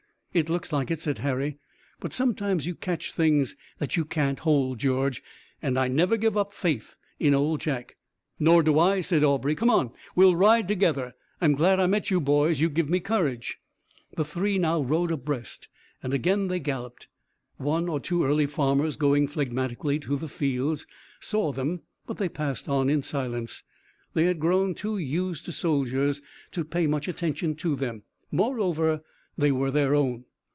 "It looks like it," said Harry, "but sometimes you catch things that you can't hold. George and I never give up faith in Old Jack." "Nor do I," said Aubrey. "Come on! We'll ride together! I'm glad I met you boys. You give me courage." The three now rode abreast and again they galloped. One or two early farmers going phlegmatically to their fields saw them, but they passed on in silence. They had grown too used to soldiers to pay much attention to them. Moreover, these were their own.